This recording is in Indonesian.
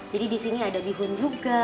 di sini ada bihun juga